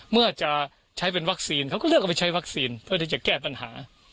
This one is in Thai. เมื่อจะใช้เป็นวัคซีนเขาก็เลือกเอาไปใช้วัคซีนเพื่อที่จะแก้ปัญหา